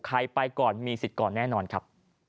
ไปก่อนมีสิทธิ์ก่อนแน่นอนครับ